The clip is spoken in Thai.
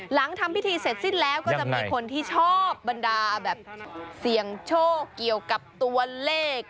หลังทำพิธีเสร็จสิ้นแล้วก็จะมีคนที่ชอบบรรดาแบบเสี่ยงโชคเกี่ยวกับตัวเลข